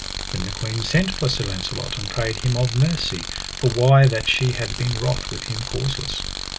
Then the queen sent for Sir Launcelot, and prayed him of mercy, for why that she had been wroth with him causeless.